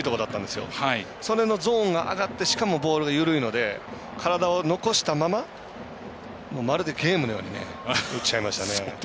しかもそのゾーンしかも、ボールが緩いので体を残したまままるでゲームのように打っちゃいましたね。